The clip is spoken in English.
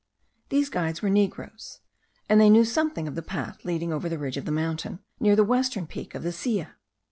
These guides were negroes, and they knew something of the path leading over the ridge of the mountain, near the western peak of the Silla.